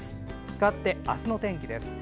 かわって明日の天気です。